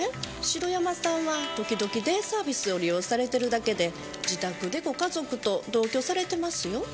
城山さんは時々デイサービスを利用されてるだけで自宅でご家族と同居されてますよ。